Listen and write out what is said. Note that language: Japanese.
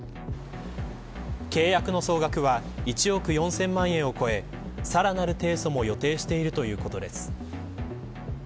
契約の総額は１億４０００万円を超えさらなる提訴も予定しているということです。